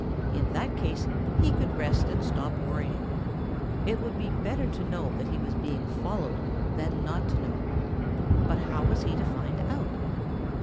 In that case he could rest and stop worrying. It would be better to know that he was being followed than not to know. But how was he to find out?